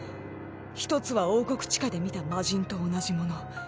１つは王国地下で見た魔神と同じもの。